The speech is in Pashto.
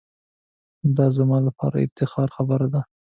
دا زما لپاره دافتخار خبره ده.